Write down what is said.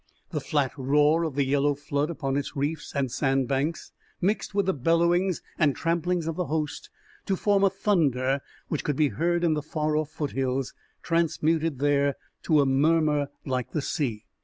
The flat roar of the yellow flood upon its reefs and sand banks, mixed with the bellowings and tramplings of the host to form a thunder which could be heard in the far off foothills, transmuted there to a murmur like the sea.